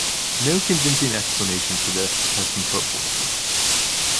No convincing explanation for this has been put forward.